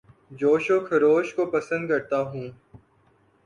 جوش و خروش کو پسند کرتا ہوں